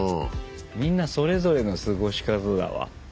みんなそれぞれの過ごし方だわ。